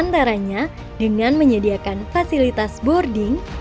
antaranya dengan menyediakan fasilitas boarding